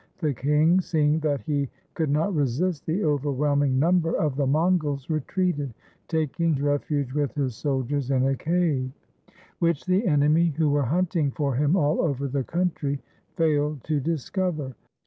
The king, seeing that he could not resist the overwhelming number of the Mon gols, retreated, taking refuge with his soldiers in a cave, which the enemy, who were hunting for him all over the country, failed to discover.